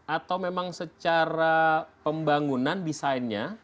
atau memang secara pembangunan desainnya